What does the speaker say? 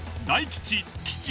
大吉。